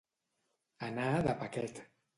Anar de paquet.